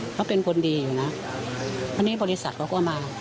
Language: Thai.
เขาเป็นคนดีอยู่นะคราวนี้บริษัทเขาก็มา